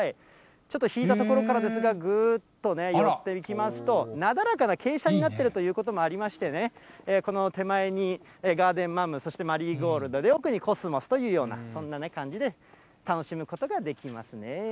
ちょっと引いた所からですが、ぐーっとね、寄っていきますと、なだらかな傾斜になっているということもありましてね、この手前にガーデンマム、そしてマリーゴールド、奥にコスモスというような、そんなね、感じで楽しむことができますね。